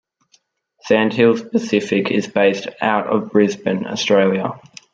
Sandhills Pacific is based out of Brisbane, Australia.